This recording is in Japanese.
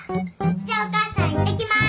じゃお母さんいってきます。